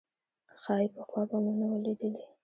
ښايي پخوا به مو نه وه لیدلې.